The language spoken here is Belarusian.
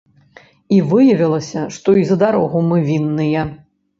І выявілася, што і за дарогу мы вінныя.